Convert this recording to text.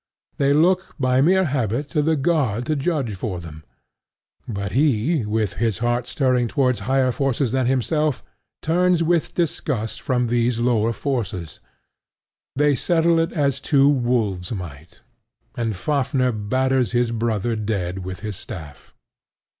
They look by mere habit to the god to judge for them; but he, with his heart stirring towards higher forces than himself, turns with disgust from these lower forces. They settle it as two wolves might; and Fafnir batters his brother dead with his staff.